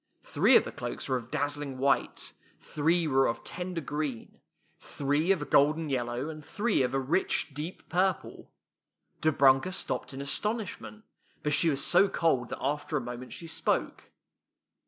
Three of the cloaks were of dazzling white, three were of tender green, three of [ 12 ] THE TWELVE MONTHS a golden yellow, and three of a rich, deep purple. Dobrunka stopped in astonishment, but she was so cold that after a moment she spoke.